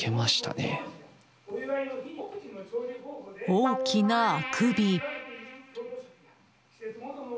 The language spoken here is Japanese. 大きなあくび。